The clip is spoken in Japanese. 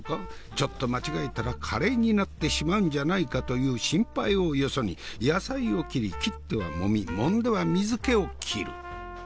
ちょっと間違えたらカレーになってしまうんじゃないかという心配をよそに野菜を切り切っては揉み揉んでは水気を切る。